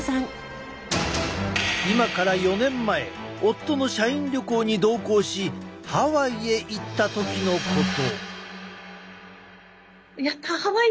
今から４年前夫の社員旅行に同行しハワイへ行った時のこと。